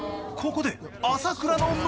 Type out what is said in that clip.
［ここで朝倉の］